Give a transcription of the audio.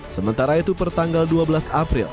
sementara itu pertanggal dua belas april